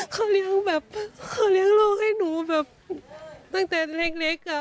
เขาเลี้ยงร่วงให้หนูดั่งเตนเลย